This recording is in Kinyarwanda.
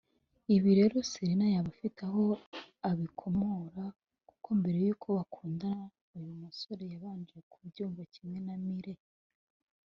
Ibi rero Selena yaba afite aho abikomora kuko mbere yuko bakundana uyu musore yabanje kubyumva kimwe na Miley